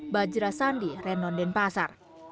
bajra sandi renon dan pasar